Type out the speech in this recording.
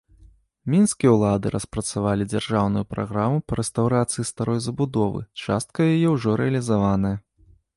Мінскія ўлады распрацавалі дзяржаўную праграму па рэстаўрацыі старой забудовы, частка яе ўжо рэалізаваная.